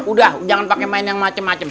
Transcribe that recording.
udah jangan pake main yang macem macem